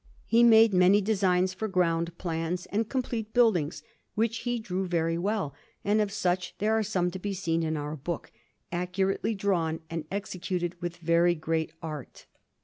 He made many designs for ground plans and complete buildings, which he drew very well; and of such there are some to be seen in our book, accurately drawn and executed with very great art.